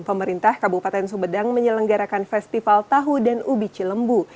pemerintah kabupaten sumedang menyelenggarakan festival tahu dan ubi cilembu